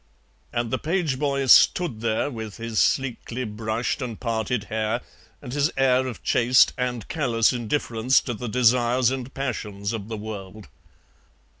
And the page boy stood there, with his sleekly brushed and parted hair, and his air of chaste and callous indifference to the desires and passions of the world.